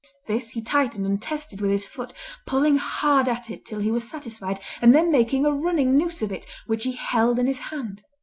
This he tightened and tested with his foot, pulling hard at it till he was satisfied and then making a running noose of it, which he held in his hand.